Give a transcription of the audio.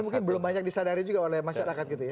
mungkin belum banyak disadari juga oleh masyarakat gitu ya